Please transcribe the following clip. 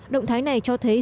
động thái này cho thấy